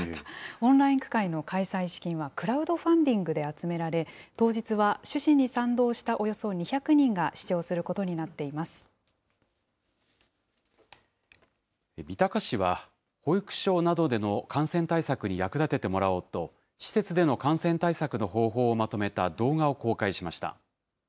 オンライン句会の開催資金はクラウドファンディングで集められ、当日は趣旨に賛同したおよそ２００人が視聴することになっていま三鷹市は、保育所などでの感染対策に役立ててもらおうと、施設での感染対策の方法をまとめた動画を公開しました。